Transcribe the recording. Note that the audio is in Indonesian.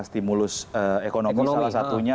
stimulus ekonomi salah satunya